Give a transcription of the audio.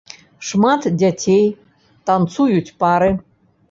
Шмат дзяцей, танцуюць пары.